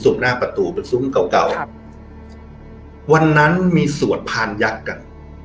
หน้าประตูเป็นซุ้มเก่าเก่าครับวันนั้นมีสวดพานยักษ์กัน